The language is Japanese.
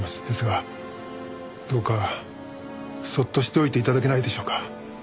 ですがどうかそっとしておいて頂けないでしょうか？